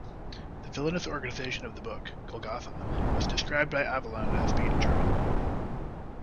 The villainous organization of the book, Golgotha, was described by Avallone as being German.